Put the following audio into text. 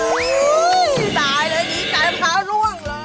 อุ๊ยตายแล้วนี่ตายแล้วพาล่วงแล้ว